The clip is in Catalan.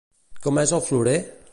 Com és el florer?